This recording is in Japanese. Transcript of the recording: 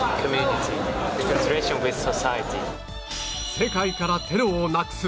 世界からテロをなくす！